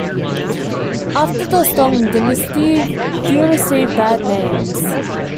After the Song dynasty few received bad names.